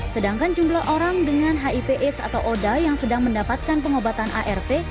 sedangkan jumlah orang dengan hiv aids atau oda yang sedang mendapatkan pengobatan arv